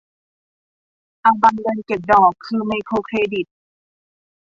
อาบังเดินเก็บดอก คือไมโครเครดิต